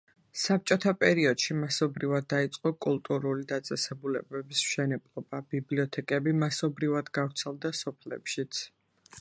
საბჭოთა პერიოდში მასობრივად დაიწყო კულტურული დაწესებულებების მშენებლობა, ბიბლიოთეკები მასობრივად გავრცელდა სოფლებშიც.